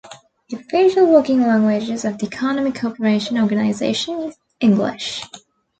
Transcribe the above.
The official working languages of the Economic Cooperation Organization is English.